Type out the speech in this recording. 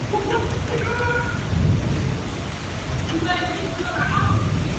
何俊仁将不能透过区议会功能组别参选立法会。